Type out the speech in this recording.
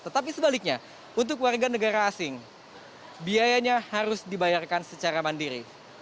tetapi sebaliknya untuk warga negara asing biayanya harus dibayarkan secara mandiri